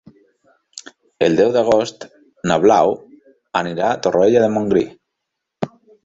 El deu d'agost na Blau anirà a Torroella de Montgrí.